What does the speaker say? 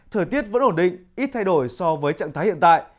thời tiết vẫn ổn định ít thay đổi so với trạng thái hiện tại